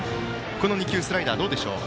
この２球、スライダーどうですか。